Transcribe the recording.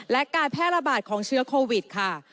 และการแพร่ระบาดของเชื้อโควิดค่ะ